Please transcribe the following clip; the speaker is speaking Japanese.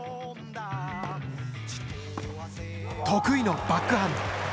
得意のバックハンド。